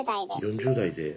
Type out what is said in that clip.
４０代で。